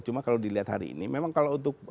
cuma kalau dilihat hari ini memang kalau untuk